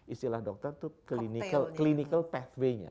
istilah dokter itu clinical pathway nya